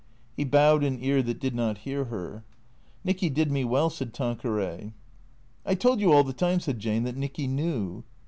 He bowed an ear that did not hear her. " Nicky did me well," said Tanqueray. " I told you all the time," said Jane, " that Nicky knew."